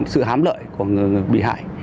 sự hám lợi của người bị hại